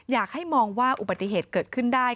อยากให้มองว่าอุบัติเหตุเกิดขึ้นได้